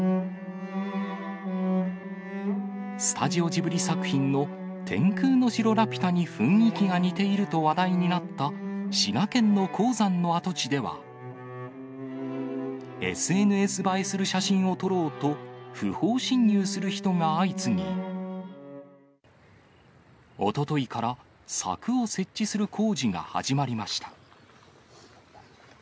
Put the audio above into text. スタジオジブリ作品の天空の城ラピュタに雰囲気が似ていると話題になった滋賀県の鉱山の跡地では、ＳＮＳ映えする写真を撮ろうと、不法侵入する人が相次ぎ、おとといから柵を設置する工事が始まりました。